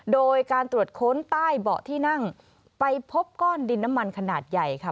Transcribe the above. โดยการตรวจค้นใต้เบาะที่นั่งไปพบก้อนดินน้ำมันขนาดใหญ่ค่ะ